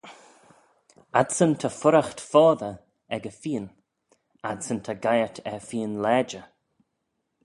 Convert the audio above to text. Adsyn ta furriaght foddey ec y feeyn, adsyn ta geiyrt er feeyn lajer.